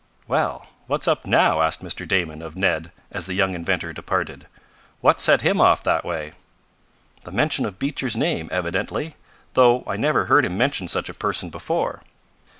"Well, what's up now?" asked Mr. Damon of Ned, as the young inventor departed. "What set him off that way?" "The mention of Beecher's name, evidently. Though I never heard him mention such a person before."